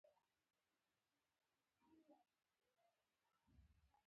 کانکور د مفسدو چارواکو او استادانو له امله په ناورین بدل شوی دی